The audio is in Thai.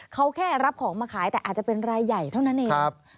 เขาแค่รับของมาขายแต่อาจจะเป็นรายใหญ่เท่านั้นเอง